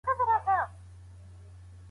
فاطمې رضي الله عنها خپل خاوند ته څه وويل؟